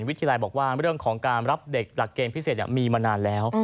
วิทยาลัยบอกว่าเรื่องของการรับเด็กหลักเกณฑ์พิเศษมีมานานแล้ว